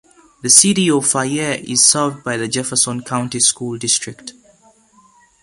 The City of Fayette is served by the Jefferson County School District.